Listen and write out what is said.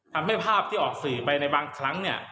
ทำให้ภาพที่ออกฟือไปในบางครั้ง